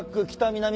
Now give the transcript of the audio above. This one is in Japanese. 南。